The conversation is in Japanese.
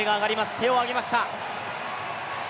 手をあげました。